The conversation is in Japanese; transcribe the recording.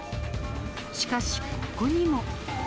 しかし、ここにも。